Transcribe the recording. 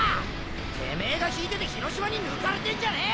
てめえが引いてて広島に抜かれてんじゃねえよ！